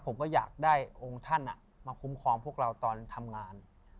ผมก็อยากได้องค์ท่านมาคุ้มครองพวกเราตอนทำงาน